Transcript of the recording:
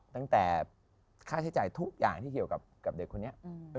ตั้งแต่ค่าใช้จ่ายทุกอย่างที่เกี่ยวกับเด็กคนนี้